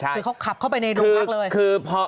คือเขาขับเข้าไปในโรงพักเลย